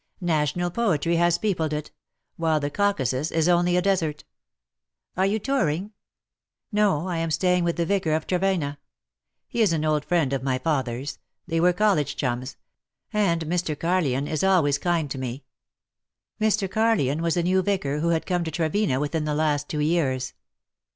National poetry has peopled it — ^vhile the Caucasus is only a desert. ''^" Are you touring V " No, I am staying with the Vicar of Trevena. He is an old friend of my father^s : they were college chums ; and Mr. Carlyon is always kind to me.^'' Mr. Carlyon was a new vicar, who had come to Trevena within the last two years.